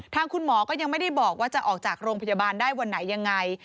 ทางคุณหมอก็ยังไม่ได้บอกว่าจะออกจากโรงพยาบาลได้วันไหนยังไง